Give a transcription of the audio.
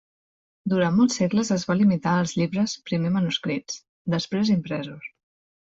Durant molts segles es va limitar als llibres primer manuscrits, després impresos.